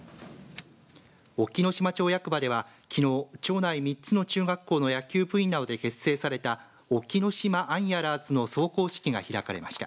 隠岐の島町役場ではきのう町内３つの中学校の野球部員などで結成された隠岐の島あんやらーずの壮行式が開かれました。